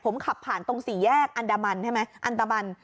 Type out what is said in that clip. ผมขับผ่านตรงสี่แยกอันดามันใช่ไหมอันตะมัน